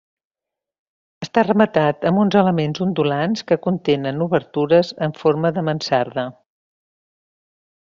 Està rematat amb uns elements ondulants que contenen obertures en forma de mansarda.